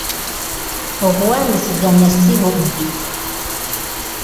Okuwaanyisiganya si bubbi.